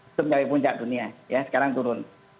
itu mencapai puncak dunia ya sekarang turun